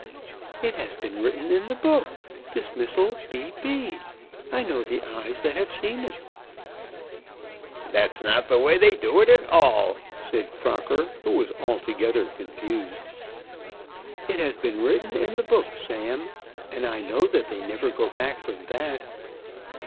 "It has been written in the book! 'Dismissal B. B.!' I know the eyes that have seen it." "That's not the way they do it at all," said Crocker, who was altogether confused. "It has been written in the book, Sam; and I know that they never go back from that."